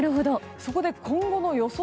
そこで今後の予想